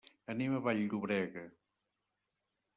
Anem a Vall-llobrega.